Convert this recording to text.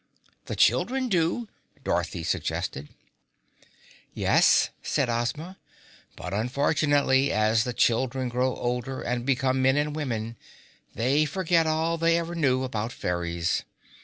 "The children do," Dorothy suggested. "Yes," said Ozma, "but unfortunately as the children grow older and become men and women, they forget all they ever knew about fairies.